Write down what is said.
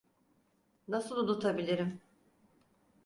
Nasıl unutabilirim?